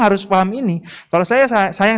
harus paham ini kalau saya sayang